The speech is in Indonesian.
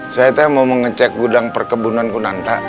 saya mau ngecek gudang perkebunan kudanta